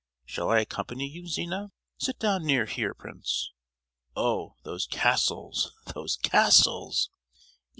Shall I accompany you, Zina? Sit down near here, prince. Oh! those castles, those castles!"